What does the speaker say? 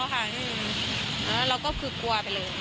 แล้วเราก็คือกลัวไปเลย